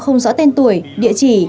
không rõ tên tuổi địa chỉ